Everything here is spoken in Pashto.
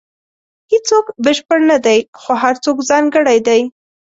• هیڅوک بشپړ نه دی، خو هر څوک ځانګړی دی.